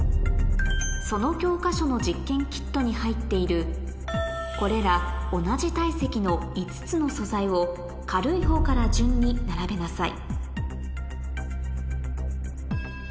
その教科書の実験キットに入っているこれら同じ体積の５つの素材を軽いほうから順に並べなさい